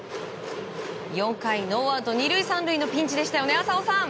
４回、ノーアウト２塁３塁のピンチでしたよね、浅尾さん。